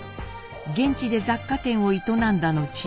現地で雑貨店を営んだ後